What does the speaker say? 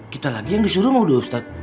kita lagi yang disuruh bang ustaz